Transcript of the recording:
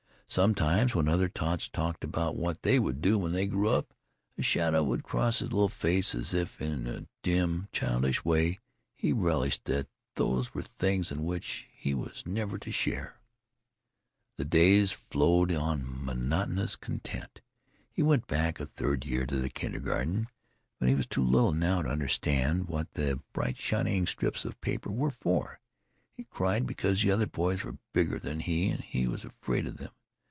Sometimes when other tots talked about what they would do when they grew up a shadow would cross his little face as if in a dim, childish way he realised that those were things in which he was never to share. The days flowed on in monotonous content. He went back a third year to the kindergarten, but he was too little now to understand what the bright shining strips of paper were for. He cried because the other boys were bigger than he, and he was afraid of them.